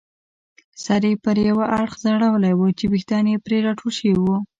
سر یې پر یوه اړخ ځړولی وو چې ویښتان یې پرې راټول شوي وو.